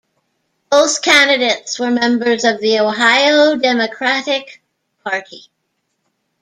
Both candidates were members of the Ohio Democratic Party.